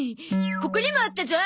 ここにもあったゾ！